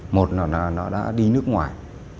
một là nó đã đi nước ngoài